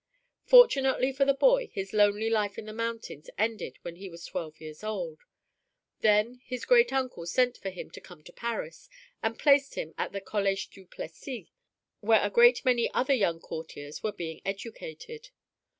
Fortunately for the boy his lonely life in the mountains ended when he was twelve years old. Then his great uncle sent for him to come to Paris, and placed him at the College du Plessis, where a great many other young courtiers were being educated.